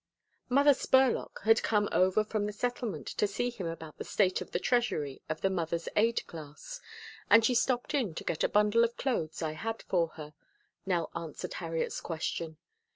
"Mother Spurlock had come over from the Settlement to see him about the state of the treasury of the Mothers' Aid Class, and she stopped in to get a bundle of clothes I had for her," Nell answered Harriet's question.